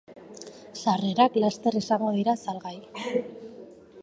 Sarrerak laster izango dira salgai.